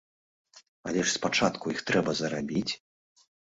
Але ж спачатку іх трэба зарабіць!